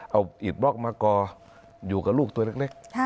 เอาอิดบล็อกมากออยู่กับลูกตัวเล็ก